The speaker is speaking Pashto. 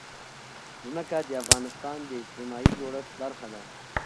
ځمکه د افغانستان د اجتماعي جوړښت برخه ده.